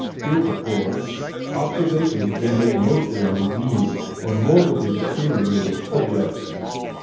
Heretofore, observations have been made mostly on diseased or morbidly deteriorated subjects.